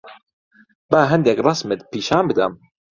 با هەندێک ڕەسمت پیشان بدەم.